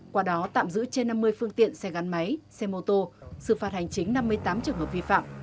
qua đó tạm giữ trên năm mươi phương tiện xe gắn máy xe mô tô xử phạt hành chính năm mươi tám trường hợp vi phạm